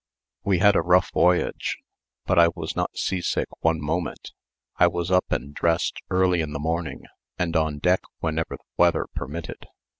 We had a rough voyage, but I was not seasick one moment. I was up and dressed early in the morning, and on deck whenever the weather permitted.